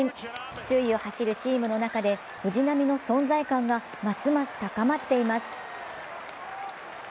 首位を走るチームの中で藤浪の存在感がますます高まっています。